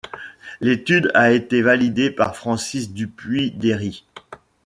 L'étude a été validée par Francis Dupuis-Déri.